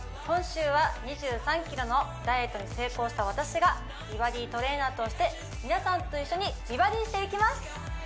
今週は２３ｋｇのダイエットに成功した私が美バディトレーナーとして皆さんと一緒に美バディしていきます